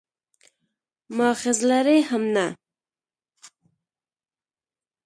مأخذ لري هم نه.